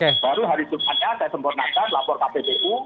baru hari depannya saya cempurnakan lapor kpu pu